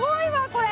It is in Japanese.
これ。